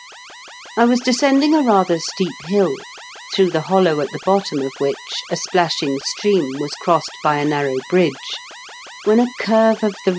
I was descending a rather steep hill, through the hollow at the bottom of which a splashing stream was crossed by a narrow bridge, Lu a curve of the